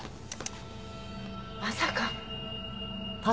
まさか。